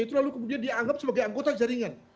itu lalu kemudian dianggap sebagai anggota jaringan